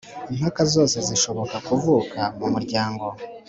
Impaka zose zishobora kuvuka mu muryango